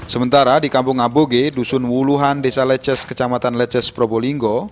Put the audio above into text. sementara di kampung aboge dusun wuluhan desa leces kecamatan leces probolinggo